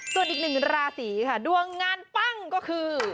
ส่วนอีกหนึ่งราศีค่ะดวงงานปั้งก็คือ